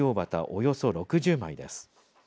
およそ６０枚です。